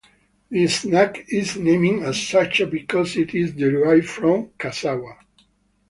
The snack is named as such because it is derived from cassava.